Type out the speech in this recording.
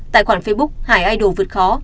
tài khoản facebook hải idol vượt khó